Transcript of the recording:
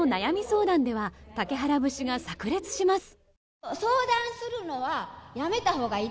相談では竹原節が炸裂します。